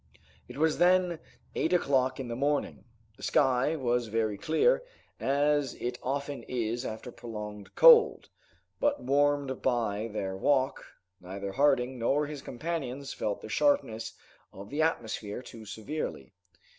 It was then eight o'clock in the morning. The sky was very clear, as it often is after prolonged cold; but warmed by their walk, neither Harding nor his companions felt the sharpness of the atmosphere too severely.